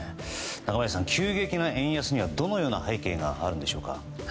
中林さん、急激な円安にはどのような背景があるんでしょうか。